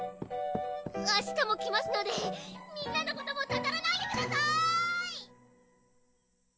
明日も来ますのでみんなのこともたたらないでください！